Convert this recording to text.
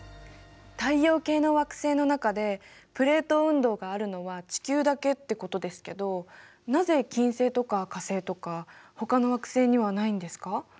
太陽系の惑星の中でプレート運動があるのは地球だけってことですけどなぜ金星とか火星とかほかの惑星にはないんですか？